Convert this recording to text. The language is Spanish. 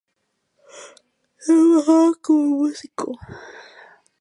Trabajaba como músico.